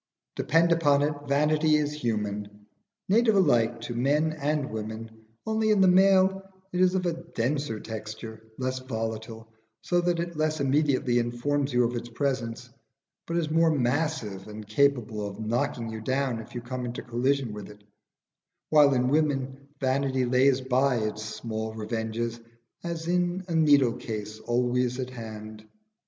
Depend upon it, vanity is human, native alike to men and women; only in the male it is of denser texture, less volatile, so that it less immediately informs you of its presence, but is more massive and capable of knocking you down if you come into collision with it; while in women vanity lays by its small revenges as in a needle case always at hand.